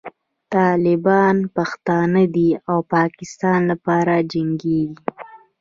طالبان پښتانه دي او د پاکستان لپاره جنګېږي.